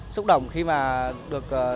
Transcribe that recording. xúc động khi mà được